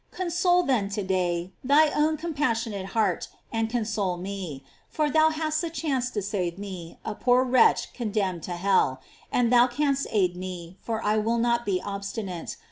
Console, then, to day thy own compassion ate heart, and console me; for thou hast a chance to save me, a poor wretch condemned to hell; and thou canst aid me, for I will not be obsti nate.